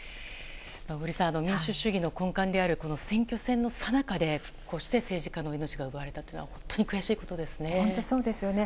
小栗さん、民主主義の根幹である選挙戦のさなかでこうして政治家の命が奪われたことは本当にそうですよね。